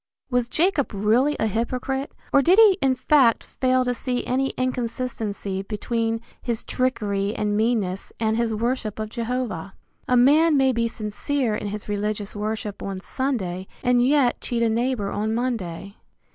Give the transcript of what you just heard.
Was Jacob really a hypocrite, or did he in fact fail to see any inconsistency between, his trickery and meanness and his worship of Jehovah? A man may be sincere in his religious worship on Sunday and yet cheat a neighbor on Monday.